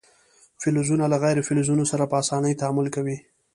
فلزونه له غیر فلزونو سره په اسانۍ تعامل کوي.